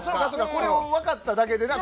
これを分かっただけでね。